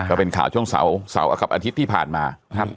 ก็เป็นข่าวช่วงเสาร์กับอาทิตย์ที่ผ่านมา